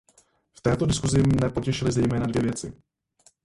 V této diskusi mne potěšily zejména dvě věci.